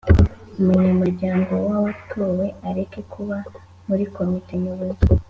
Umunyamuryango wa watowe areka kuba muri Komite Nyobozi